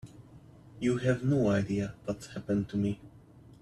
You have no idea what's happened to me.